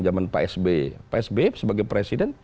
zaman psb psb sebagai presiden